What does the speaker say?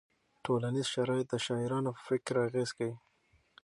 ټولنیز شرایط د شاعرانو په فکر اغېز کوي.